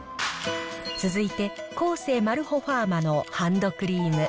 続いて、コーセーマルホファーマのハンドクリーム。